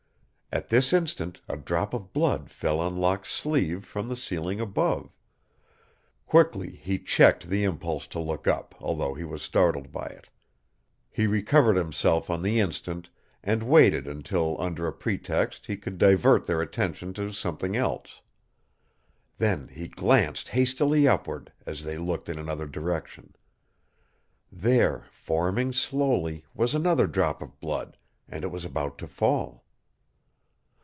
At this instant a drop of blood fell on Locke's sleeve from the ceiling above. Quickly he checked the impulse to look up, although he was startled by it. He recovered himself on the instant and waited until under a pretext he could divert their attention to something else. Then he glanced hastily upward, as they looked in another direction. There, forming slowly, was another drop of blood, and it was about to fall.